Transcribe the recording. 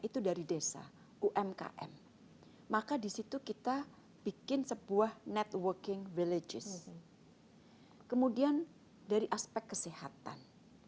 itu dari desa umkm maka disitu kita bikin sebuah networking villages kemudian dari aspek kesehatan